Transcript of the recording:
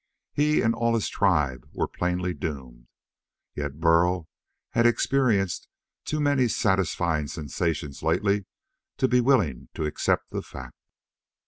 He and all his tribe were plainly doomed yet Burl had experienced too many satisfying sensations lately to be willing to accept the fact.